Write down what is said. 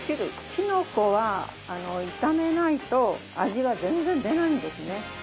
きのこは炒めないと味が全然出ないんですね。